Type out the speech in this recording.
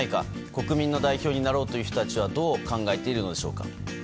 国民の代表になろうという人たちはどう考えているのでしょうか。